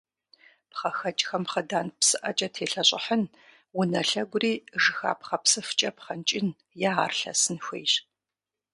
ПхъэхэкӀхэм хъыдан псыӀэкӀэ телъэщӀыхьын, унэ лъэгури жыхапхъэ псыфкӀэ пхъэнкӀын е ар лъэсын хуейщ.